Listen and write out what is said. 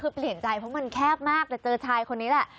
คือเปลี่ยนใจเพราะมันแคบมากแต่เจอชายคนนี้แหละ